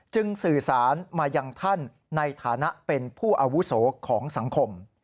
สื่อสารมายังท่านในฐานะเป็นผู้อาวุโสของสังคม